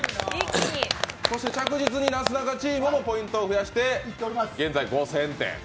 着実になすなかチームもポイントを増やして、現在５０００点。